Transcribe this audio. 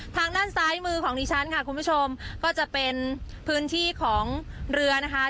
ทางด้านซ้ายมือของดิฉันค่ะคุณผู้ชมก็จะเป็นพื้นที่ของเรือนะคะ